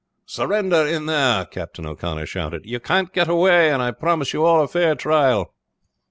"Surrender in there!" Captain O'Connor shouted. "You can't get away; and I promise you all a fair trial."